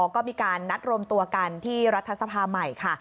ก็มีการนัดรวมตัวกันที่รัฐสภาใหม่ค่ะ